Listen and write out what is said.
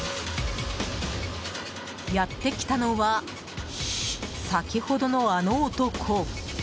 やってきたのは先ほどの、あの男。